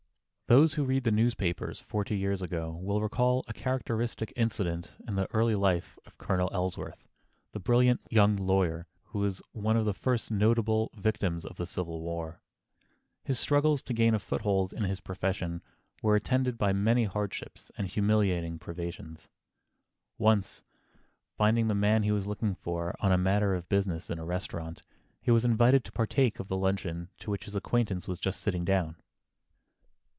Those who read the newspapers forty years ago will recall a characteristic incident in the early life of Colonel Ellsworth, the brilliant young lawyer who was one of the first notable victims of the Civil War. His struggles to gain a foothold in his profession were attended by many hardships and humiliating privations. Once, finding the man he was looking for on a matter of business, in a restaurant, he was invited to partake of the luncheon to which his acquaintance was just sitting down.